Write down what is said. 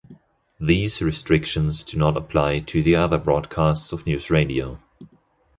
These restrictions do not apply to the other broadcasts of Newsradio.